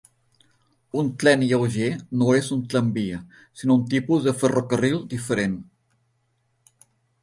Un tren lleuger no és un tramvia, sinó un tipus de ferrocarril diferent.